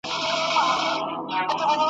یوه ورځ به د ښکاري چړې ته لویږي ,